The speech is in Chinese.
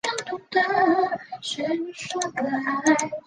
最早的巡回赛是由各赛事的负责机构与国际网球联合会负责。